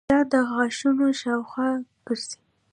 مچان د غاښونو شاوخوا ګرځي